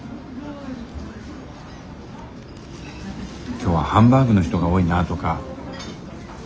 今日はハンバーグの人が多いなとかあの人